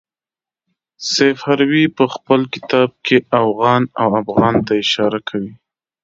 سیف هروي په خپل کتاب کې اوغان او افغان ته اشاره کوي.